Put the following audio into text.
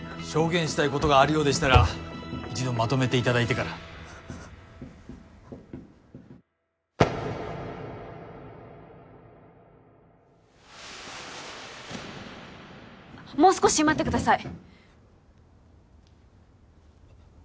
証言したいことがあるようでしたら一度まとめていただいてからもう少し待ってください